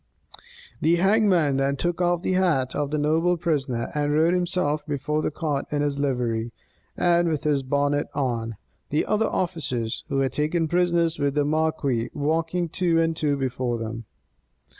The hangman then took off the hat of the noble prisoner, and rode himself before the cart in his livery, and with his bonnet on; the other officers, who were taken prisoners with the marquis, walking two and two before them.